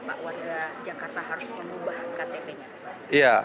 jadi pak warga jakarta harus mengubah ktp nya